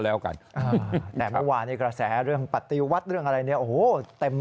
แล้วกันอ่าแต่เมื่อวานในกระแสเรื่องปฏิวัติเรื่องอะไรเนี่ยโอ้โหเต็ม